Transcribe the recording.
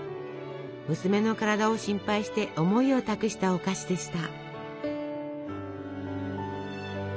娘の体を心配して思いを託したお菓子でした。